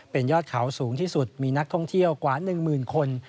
เป็นยอดเขาสูงที่สุดมีนักท่องเที่ยวกว่า๑๐๐๐คน